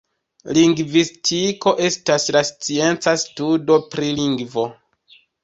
Lingvistiko estas la scienca studo pri lingvo.